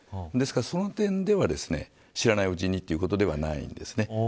ですが、その点では知らないうちにということではないんです。